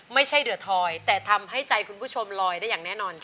ไม่ใช่เหลือทอยแต่ทำให้ใจคุณผู้ชมลอยได้อย่างแน่นอนค่ะ